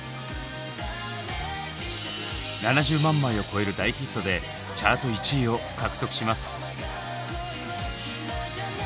７０万枚を超える大ヒットでチャート１位を獲得します。